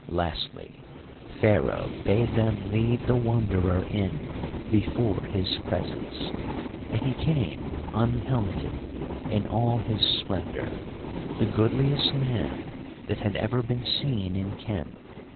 Lastly, Pharaoh bade them lead the Wanderer in before his presence, and he came unhelmeted, in all his splendour, the goodliest man that had ever been seen in Khem.